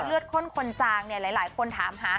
เลือดข้นคนจางเนี่ยหลายคนถาม